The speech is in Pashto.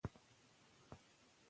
ښار او ښامار خپل او پردي توپير شته دي